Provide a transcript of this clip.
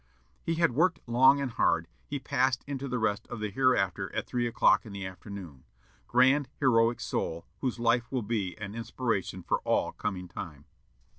He had worked long and hard. He passed into the rest of the hereafter at three o'clock in the afternoon. Grand, heroic soul! whose life will be an inspiration for all coming time.